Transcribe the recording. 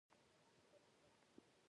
• کله ناکله ژړا کول د آرام راز وي.